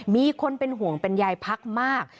มีคนเป็นห่วงเป็นยายพักมาก